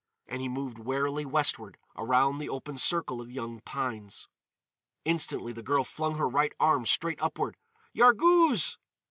And he moved warily westward around the open circle of young pines. Instantly the girl flung her right arm straight upward. "Yarghouz!"